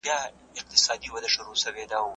کمپيوټر نقشه ښيي.